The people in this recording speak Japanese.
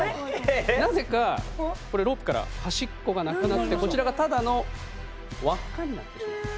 なぜかロープから端っこがなくなってこちらがただの輪っかになってしまいます。